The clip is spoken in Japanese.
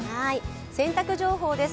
洗濯情報です。